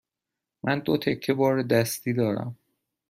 من دو تکه بار دستی دارم.